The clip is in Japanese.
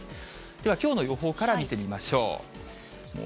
ではきょうの予報から見てみましょう。